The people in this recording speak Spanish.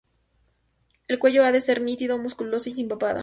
El cuello ha de ser nítido, musculoso y sin papada.